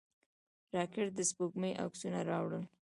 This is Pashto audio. راکټ د سپوږمۍ عکسونه راوړل